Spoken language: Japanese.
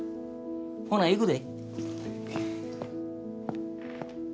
ほな行くで。